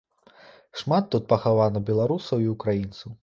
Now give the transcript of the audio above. Шмат тут пахавана беларусаў і ўкраінцаў.